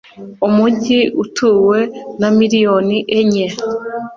umujyi utuwe na miliyoni enye.